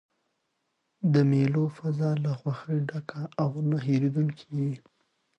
د مېلو فضا له خوښۍ ډکه او نه هېردونکې يي.